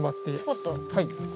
はい。